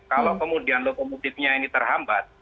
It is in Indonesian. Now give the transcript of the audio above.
kalau kemudian lokomotifnya ini terhambat